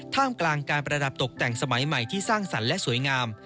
ท่ามกลางการประดับตกแต่งสมัยใหม่ที่สร้างสรรค์และสวยงาม